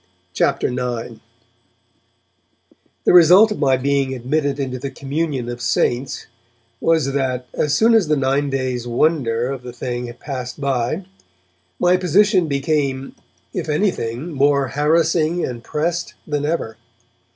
CHAPTER IX THE result of my being admitted into the communion of the 'Saints' was that, as soon as the nine days' wonder of the thing passed by, my position became, if anything, more harassing and pressed than ever.